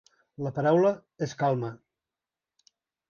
La paraula és calma.